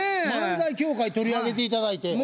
漫才協会取り上げていただいて。